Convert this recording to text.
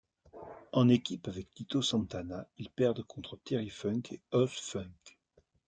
En équipe avec Tito Santana, ils perdent contre Terry Funk et Hoss Funk.